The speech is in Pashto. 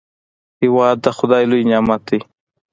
هېواد د خداي لوی نعمت دی.